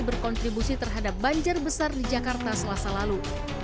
berkontribusi terhadap banjir besar di jakarta selasa lalu